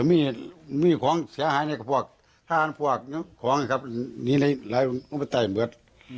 มันมีของเสียหายในกระพวกท่านพวกของครับนี้ในหลายวัฒนศัตริย์เหมือน